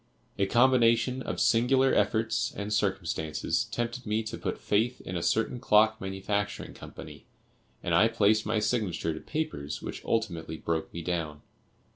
A combination of singular efforts and circumstances tempted me to put faith in a certain clock manufacturing company, and I placed my signature to papers which ultimately broke me down.